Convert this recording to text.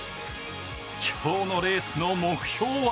今日のレースの目標は